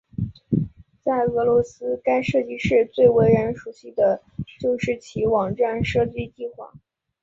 在俄罗斯该设计室最为人熟悉就是其网站设计计划。